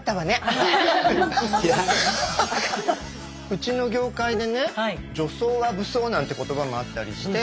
うちの業界でねなんて言葉もあったりして。